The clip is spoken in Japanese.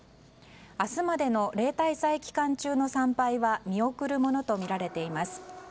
明日までの例大祭期間中の参拝は見送るものとみられています。